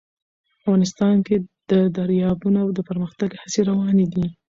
افغانستان کې د دریابونه د پرمختګ هڅې روانې دي.